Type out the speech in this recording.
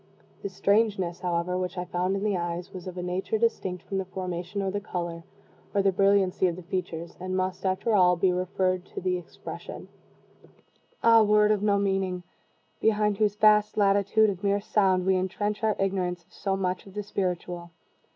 The "strangeness," however, which I found in the eyes was of a nature distinct from the formation, or the color, or the brilliancy of the features, and must, after all, be referred to the expression. Ah, word of no meaning! behind whose vast latitude of mere sound we intrench our ignorance of so much of the spiritual.